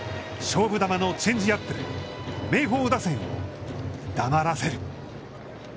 勝負球のチェンジアップで明豊打線を黙らせる。